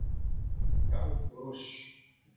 Kamu kurus.